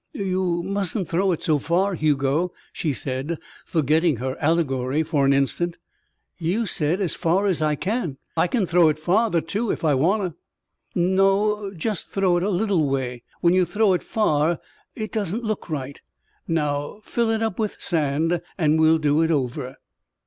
"You musn't throw it so far, Hugo," she said, forgetting her allegory for an instant. "You said as far as I can. I can throw it farther, too, if I wanna." "No. Just throw it a little way. When you throw it far, it doesn't look right. Now fill it up with sand, and we'll do it over."